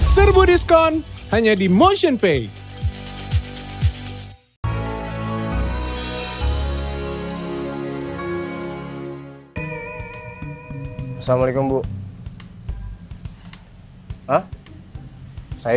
serbu diskon hanya di motionpay